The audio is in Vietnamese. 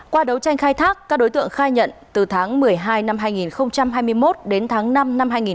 qua đấu tranh khai thác các đối tượng khai nhận từ tháng một mươi hai năm hai nghìn hai mươi một đến tháng năm năm hai nghìn hai mươi ba